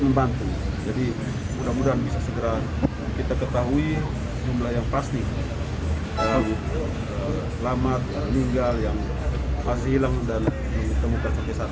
melakukan pemeriksaan kepada semua pihak